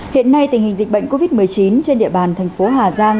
hiện nay tình hình dịch bệnh covid một mươi chín trên địa bàn thành phố hà giang